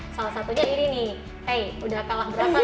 udah kalah berapa nih